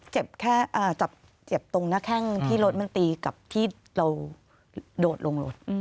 จับเจ็บตรงหน้าแข้งที่รถมันตีกับที่เราโดดลงรถ